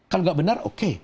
kalau tidak benar oke